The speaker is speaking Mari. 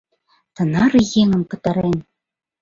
— Тынар еҥым пытарен...